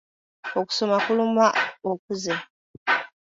Okusoma kuluma okuze.